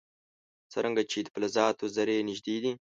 څرنګه چې د فلزاتو ذرې نژدې دي.